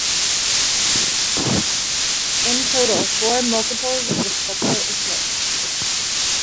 In total, four multiples of the sculpture exist.